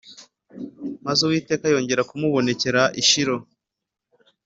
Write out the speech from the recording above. Maze Uwiteka yongera kumubonekerera i Shilo